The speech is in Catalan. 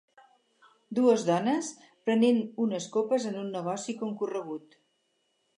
Dues dones prenent unes copes en un negoci concorregut